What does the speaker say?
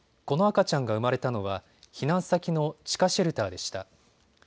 この赤ちゃんが生まれたのは避難先の地下シェルターでした。